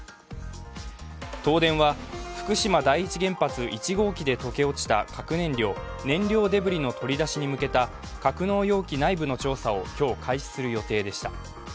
東電は福島第一原発１号機で溶け落ちた核燃料燃料デブリの取り出しに向けた格納容器内部の調査を今日、開始する予定でした。